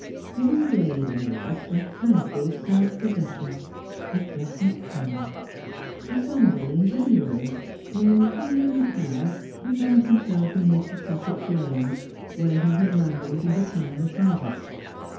One day there was of tranquil self possession, of blessed calm. A Sunday in January, when, he knew not how, he found himself amid the Sussex lanes, where he had rambled in the time of harvest.